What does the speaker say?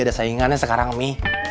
ada saingannya sekarang mi